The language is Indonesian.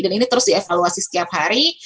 dan ini terus dievaluasi setiap hari